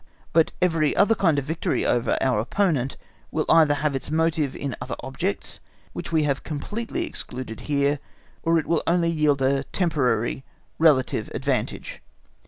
But every other kind of victory over our opponent will either have its motive in other objects, which we have completely excluded here, or it will only yield a temporary relative advantage.